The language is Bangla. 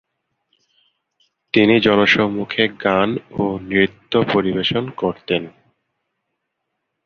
তিনি জনসম্মুখে গান ও নৃত্য পরিবেশন করতেন।